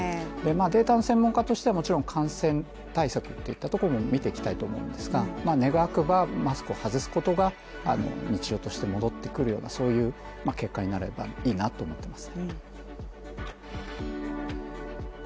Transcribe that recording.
データの専門家としてはもちろん感染対策も見ていきたいと思うのですが、願わくは、マスクを外すことが日常として戻ってくるそういう結果になればいいなと思っています。